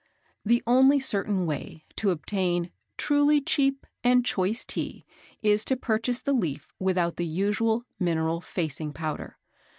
The only certain way to obtain truly cheap and choice Tea is to purchase the leaf without the usual mineral "facing" powder.